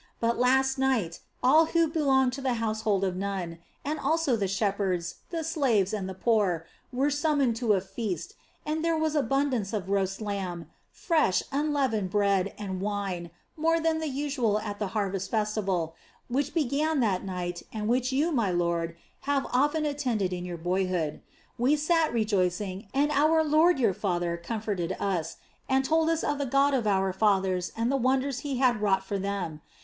But last night, all who belonged to the household of Nun and also the shepherds, the slaves, and the poor were summoned to a feast, and there was abundance of roast lamb, fresh, unleavened bread, and wine, more than usual at the harvest festival, which began that night, and which you, my lord, have often attended in your boyhood. We sat rejoicing, and our lord, your father, comforted us, and told us of the God of our fathers and the wonders He had wrought for them.